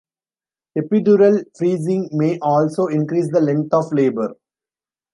Epidural freezing may also increase the length of labor.